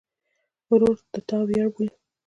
ورور د تا ویاړ بولې.